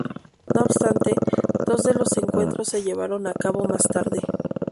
No obstante, dos de los encuentros se llevaron a cabo más tarde.